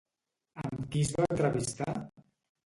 Amb qui es va entrevistar?